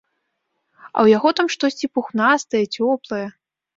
А ў яго там штосьці пухнастае, цёплае.